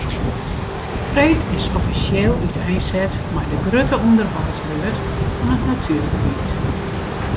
Freed is offisjeel úteinset mei de grutte ûnderhâldsbeurt fan it natuergebiet.